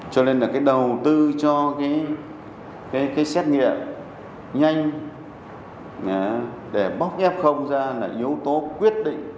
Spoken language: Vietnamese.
cho nên là cái đầu tư cho cái xét nghiệm nhanh để bóc f ra là yếu tố quyết định